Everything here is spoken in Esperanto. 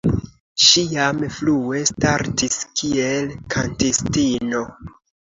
Ŝi jam frue startis kiel kantistino.